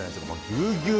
ぎゅうぎゅう。